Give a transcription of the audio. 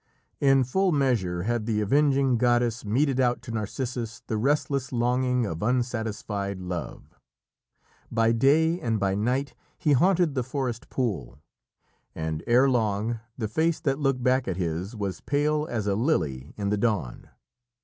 In full measure had the avenging goddess meted out to Narcissus the restless longing of unsatisfied love. By day and by night he haunted the forest pool, and ere long the face that looked back at his was pale as a lily in the dawn.